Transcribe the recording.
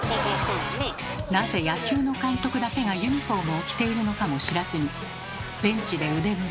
なぜ野球の監督だけがユニフォームを着ているのかも知らずにベンチで腕組み。